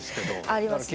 ありますね。